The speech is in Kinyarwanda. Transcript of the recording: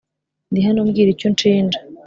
ndihano mbwira icyo unshinja